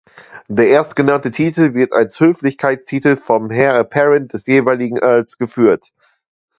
Der erstgenannte Titel wird als Höflichkeitstitel vom Heir Apparent des jeweiligen Earls geführt.